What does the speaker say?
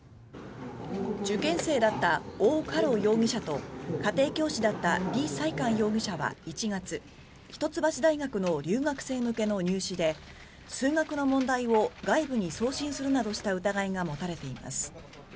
受験生だったオウ・カロ容疑者と家庭教師だったリ・サイカン容疑者は１月一橋大学の留学生向けの入試で数学の問題を外部に送信するなどした疑いが持たれています。